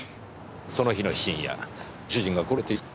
その日の深夜ご主人が殺されています。